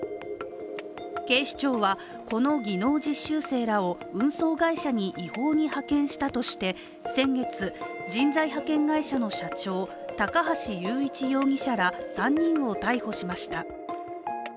警視庁はこの技能実習生らを運送会社に違法に派遣したとして、先月、人材派遣会社の社長高橋裕一容疑者ら３人を逮捕しました。